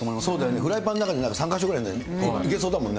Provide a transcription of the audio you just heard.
フライパンの中に３か所ぐらいいけそうだもんね。